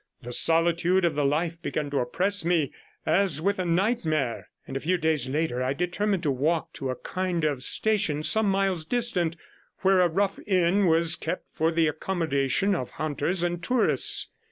The solitude of the life began to oppress me as 25 with a nightmare, and a few days later I determined to walk to a kind of station some miles distant, where a rough inn was kept for the accommodation of hunters and tourists.